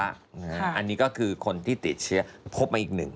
อันนี้ก็คือคนที่ติดเชื้อพบมาอีกหนึ่ง